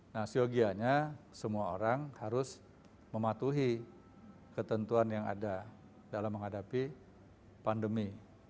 nah syogianya semua orang harus mematuhi ketentuan yang ada dalam menghadapi pandemi